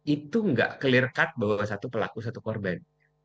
itu nggak clear cut bahwa satu pelaku satu korban